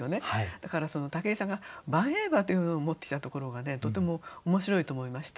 だから武井さんが「輓曳馬」というのを持ってきたところがとても面白いと思いました。